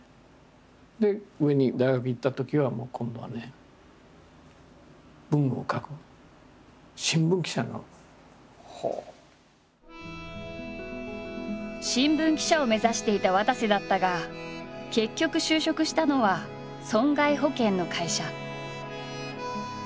で大学行ったときはもう今度はね文を書く新聞記者を目指していたわたせだったが結局就職したのは損害保険の会社。